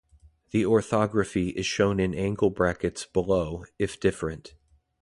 The orthography is shown in angle brackets below, if different.